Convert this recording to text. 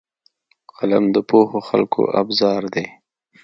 قلم د پوهو خلکو ابزار دی